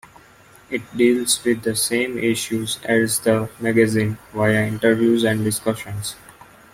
It deals with the same issues as the magazine, via interviews and discussions.